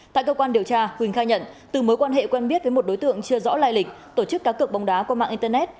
tại cơ quan điều tra huỳnh khai nhận từ mối quan hệ quen biết với một đối tượng chưa rõ lai lịch tổ chức cá cược bóng đá qua mạng internet